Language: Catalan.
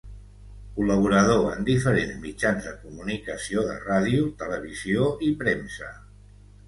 Col·laborador en diferents mitjans de comunicació de ràdio, televisió i premsa.